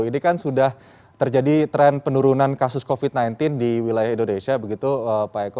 ini kan sudah terjadi tren penurunan kasus covid sembilan belas di wilayah indonesia begitu pak eko